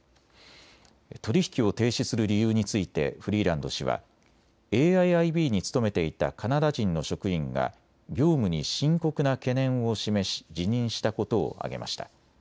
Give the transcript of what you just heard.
取引を停止する理由についてフリーランド氏はＡＩＩＢに務めていたカナダ人の職員が業務に深刻な懸念を示し辞任したことを挙げました。